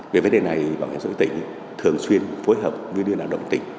về vấn đề này bảo hiểm xã hội tỉnh thường xuyên phối hợp với đ bueno đồng tỉnh